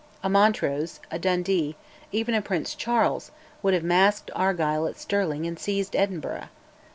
A Montrose, a Dundee, even a Prince Charles, would have "masked" Argyll at Stirling and seized Edinburgh.